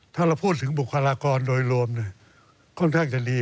ถ้าเราพูดถึงบุคลากรโดยรวมค่อนข้างจะดี